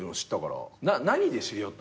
何で知り合ったの？